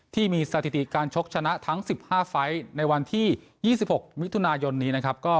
ที่มีสถิติการชกชนะทั้ง๑๕ไฟล์ในวันที่๒๖มิถุนายนนี้นะครับ